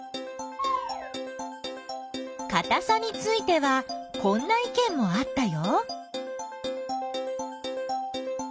かたさについてはこんないけんもあったよ。